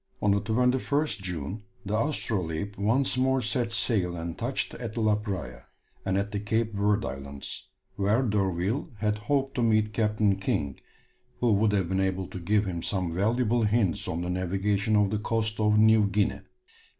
On the 21st June the Astrolabe once more set sail and touched at La Praya, and at the Cape Verd Islands, where D'Urville had hoped to meet Captain King, who would have been able to give him some valuable hints on the navigation of the coast of New Guinea.